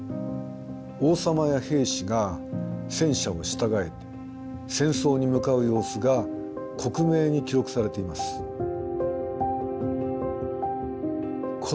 王様や兵士が戦車を従えて戦争に向かう様子が克明に記録されています。